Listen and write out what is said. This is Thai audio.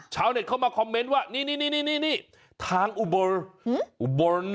ชาวเน็ตเข้ามาคอมเมนต์ว่านี่ทางอุบล